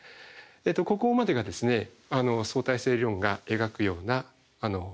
ここまでが相対性理論が描くような世界と。